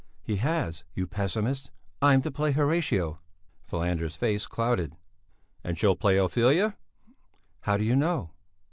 "He has, you pessimist! I'm to play Horatio...." Falander's face clouded. "And she'll play Ophelia." "How do you know?"